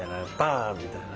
みたいな。